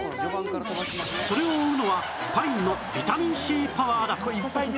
それを追うのはパインのビタミン Ｃ パワーだ！